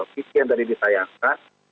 visi yang tadi ditayangkan